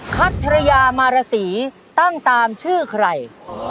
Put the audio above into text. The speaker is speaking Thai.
คัทยามารสีตั้งตามชื่อใคร